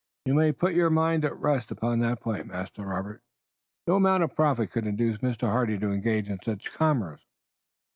"You may put your mind at rest upon that point, Master Robert. No amount of profit could induce Mr. Hardy to engage in such commerce."